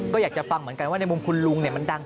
ก็อยากจะฟังเหมือนกันว่าในมุมคุณลุงมันดัง